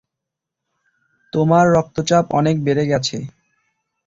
তোমার রক্তচাপ অনেক বেড়ে গেছে।